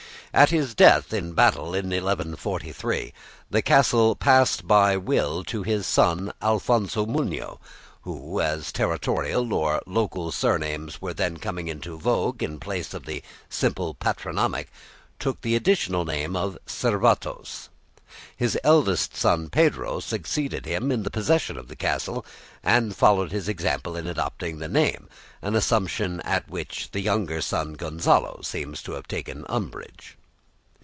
At his death in battle in 1143, the castle passed by his will to his son Alfonso Munio, who, as territorial or local surnames were then coming into vogue in place of the simple patronymic, took the additional name of Cervatos. His eldest son Pedro succeeded him in the possession of the castle, and followed his example in adopting the name, an assumption at which the younger son, Gonzalo, seems to have taken umbrage.